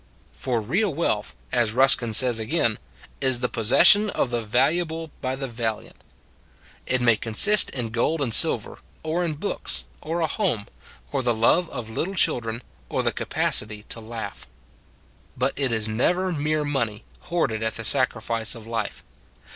For real wealth, as Ruskin says again, " is the possession of the valuable by the valiant." It may consist in gold and sil ver, or in books, or a home, or the love of little children, or the capacity to laugh. Working for It 177 But it is never mere money, hoarded at the sacrifice of life.